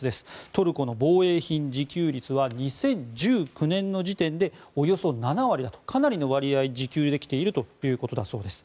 トルコの防衛品自給率は２０１９年の時点でおよそ７割と、かなりの割合で自給できているということです。